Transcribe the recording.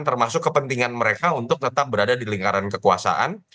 termasuk kepentingan mereka untuk tetap berada di lingkaran kekuasaan